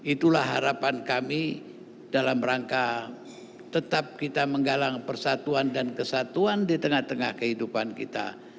itulah harapan kami dalam rangka tetap kita menggalang persatuan dan kesatuan di tengah tengah kehidupan kita